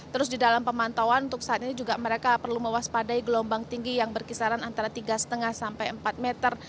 terus di dalam pemantauan untuk saat ini juga mereka perlu mewaspadai gelombang tinggi yang berkisaran antara tiga lima sampai empat meter